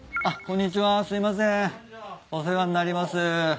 あっ。